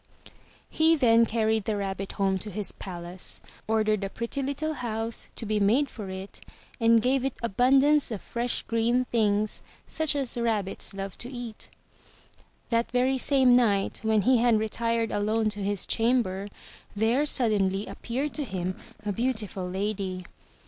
*' He then carried the rabbit home to his palace, ordered a pretty little house to be made for it, and gave it abundance of fresh green things such as rabbits love to eat. That very same night, when he had retired alone to his chamber, there suddenly appeared to him a beautiful lady.